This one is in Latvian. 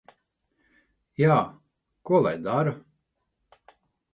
Jā. Ko lai dara?